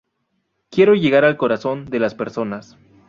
Quiero llegar al corazón de las personas".